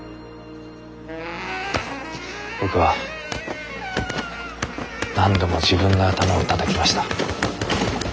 僕は何度も自分の頭をたたきました。